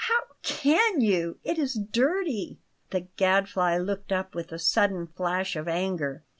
How CAN you? It is dirty!" The Gadfly looked up with a sudden flash of anger.